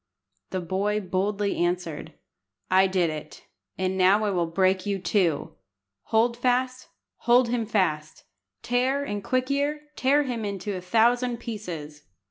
The boy boldly answered "I did it, and now I will break you too. Hold fast, hold him fast; Tear and Quick ear, tear him into a thousand pieces!"